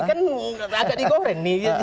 kan agak digoreng